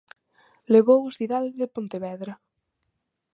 Levou o Cidade de Pontevedra.